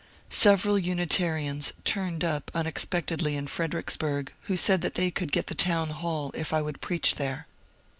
Several Unitarians turned up unexpectedly in Fredericksburg who said they could get the town hall if I would preach there.